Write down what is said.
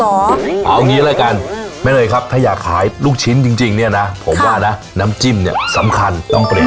เอางี้ละกันแม่เนยครับถ้าอยากขายลูกชิ้นจริงเนี่ยนะผมว่านะน้ำจิ้มเนี่ยสำคัญต้องเปลี่ยน